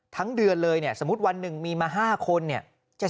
ทั้งเดือนเลยสมมุติวันหนึ่งมีมา๕คนเนี่ย๗แสนกว่าบาทเลยนะ